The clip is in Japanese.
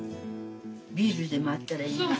ビールでもあったらいいのに。